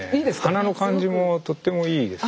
鼻の感じもとってもいいですね。